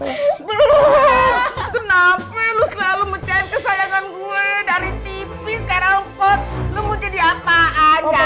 hahaha kenapa lu selalu mencari kesayangan gue dari tipis ke rampot lu mau jadi apaan jale